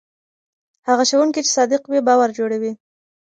هغه ښوونکی چې صادق وي باور جوړوي.